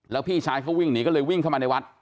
แล้วพี่ชายเขาวิ่งหนีก็เลยวิ่งเข้ามาในวัด